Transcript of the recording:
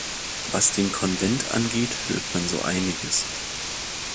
Was den Konvent angeht, hört man so einiges.